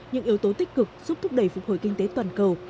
những yếu tố tích cực giúp thúc đẩy phục hồi kinh tế toàn cầu